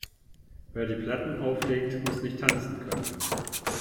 Wer die Platten auflegt, muss nicht tanzen können.